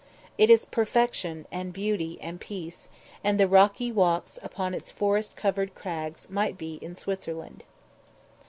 It is perfection, and beauty, and peace; and the rocky walks upon its forest covered crags might be in Switzerland.